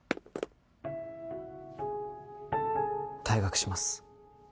退学します。